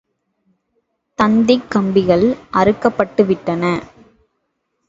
தந்திக் கம்பிகள் அறுக்கப்பட்டுவிட்டன.